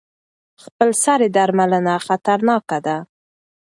خپلسري درملنه خطرناکه ده.